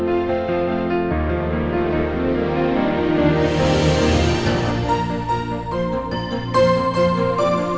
ada tapi ada tapi ada tapi nya apa tuh